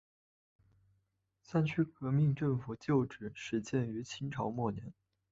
三区革命政府旧址始建于清朝末年。